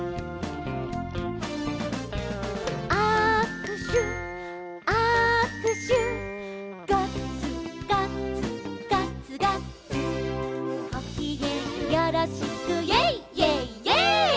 「あくしゅあくしゅ」「ガッツガッツガッツガッツ」「ごきげんよろしく」「イェイイェイイェイ！」